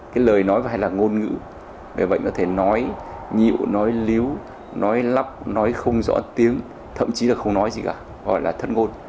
cái lời nói hay là ngôn ngữ về bệnh có thể nói nhịu nói líu nói lắp nói không rõ tiếng thậm chí là không nói gì cả gọi là thất ngôn